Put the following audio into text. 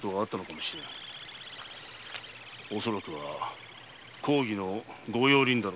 恐らくは公儀の御用林だろう。